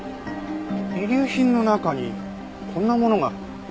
遺留品の中にこんなものが。